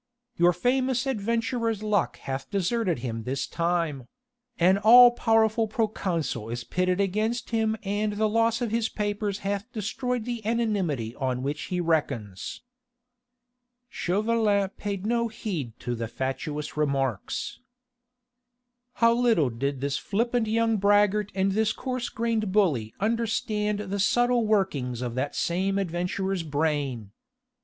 "Your famous adventurer's luck hath deserted him this time: an all powerful proconsul is pitted against him and the loss of his papers hath destroyed the anonymity on which he reckons." Chauvelin paid no heed to the fatuous remarks. How little did this flippant young braggart and this coarse grained bully understand the subtle workings of that same adventurer's brain!